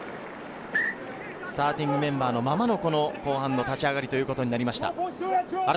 スターティングメンバーのままの後半の立ち上がりとなりました。